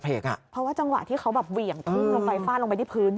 เพราะว่าจังหวะที่เขาแบบเหวี่ยงพุ่งลงไปฟาดลงไปที่พื้น